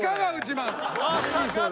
まさかの！